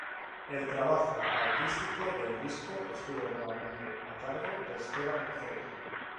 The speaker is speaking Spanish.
El trabajo artístico del disco estuvo nuevamente a cargo de Esteban Rey.